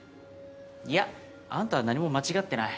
いやあんたは何も間違ってない。